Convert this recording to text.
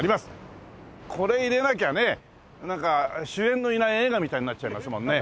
これ入れなきゃねなんか主演のいない映画みたいになっちゃいますもんね。